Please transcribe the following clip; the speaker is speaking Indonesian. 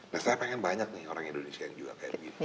nah saya pengen banyak nih orang indonesia yang juga kayak begitu